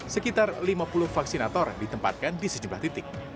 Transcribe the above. sekitar lima puluh vaksinator ditempatkan di sejumlah titik